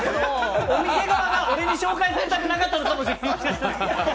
お店側が俺に紹介されたくないのかもしれない。